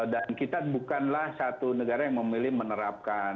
kita bukanlah satu negara yang memilih menerapkan